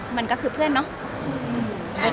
มันก็คือเพื่อนเนาะ